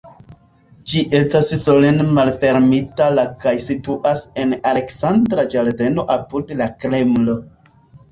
Ĝi estas solene malfermita la kaj situas en Aleksandra ĝardeno apud la Kremlo.